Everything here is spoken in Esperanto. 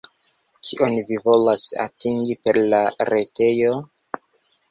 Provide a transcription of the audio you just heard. Kion vi volas atingi per la retejo?